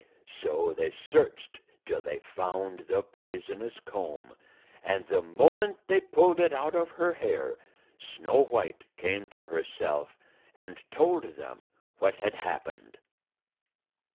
So they searched till they found the poisonous comb, and the moment they pulled it out of her hair, Snow White came to herself and told them what had happened.